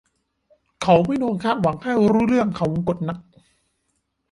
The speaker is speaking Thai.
เขาไม่โดนคาดหวังให้รู้เรื่องเขาวงกตนัก